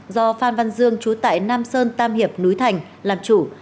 do phan văn dương trú tại nam sơn tam hiệp núi thành làm chủ